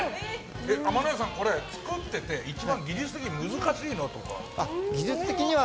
天乃屋さん、作ってて一番、技術的に難しいのとかは？